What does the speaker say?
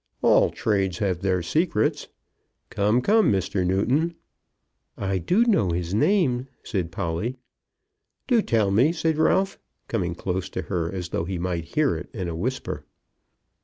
"All trades have their secrets. Come, come, Mr. Newton!" "I know his name," said Polly. "Do tell me," said Ralph, coming close to her, as though he might hear it in a whisper.